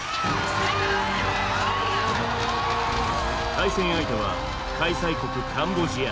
対戦相手は開催国カンボジア。